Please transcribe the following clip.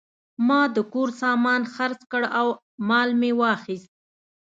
ما د کور سامان خرڅ کړ او مال مې واخیست.